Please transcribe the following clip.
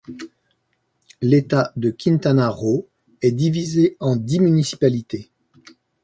L'État de Quintana Roo est divisé en dix municipalités.